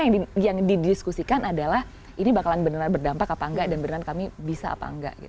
yang didiskusikan adalah ini bakalan beneran berdampak apa enggak dan beneran kami bisa apa enggak